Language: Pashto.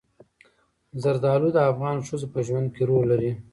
زردالو د افغان ښځو په ژوند کې رول لري.